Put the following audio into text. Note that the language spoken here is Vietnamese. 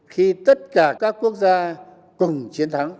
khi tất cả các quốc gia cùng chiến thắng